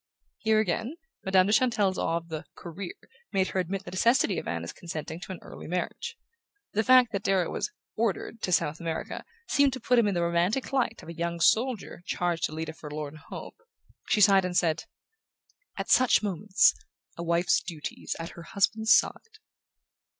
Here again, Madame de Chantelle's awe of the Career made her admit the necessity of Anna's consenting to an early marriage. The fact that Darrow was "ordered" to South America seemed to put him in the romantic light of a young soldier charged to lead a forlorn hope: she sighed and said: "At such moments a wife's duty is at her husband's side."